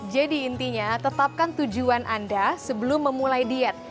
jadi intinya tetapkan tujuan anda sebelum memulai diet